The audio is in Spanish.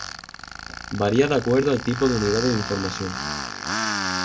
Varía de acuerdo al tipo de Unidad de Información.